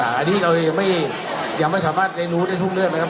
อันนี้เรายังไม่สามารถได้รู้ได้ทุกเรื่องนะครับ